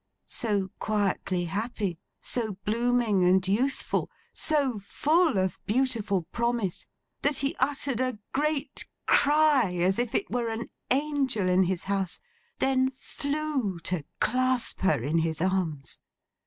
So quietly happy, so blooming and youthful, so full of beautiful promise, that he uttered a great cry as if it were an Angel in his house; then flew to clasp her in his arms.